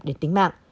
đến tính mạng